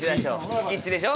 敷地でしょ。